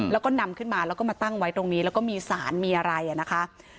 แล้วก็นำขึ้นมาแล้วก็มาตั้งไว้ตรงนี้แล้วก็มีสารมีอะไรนะคะ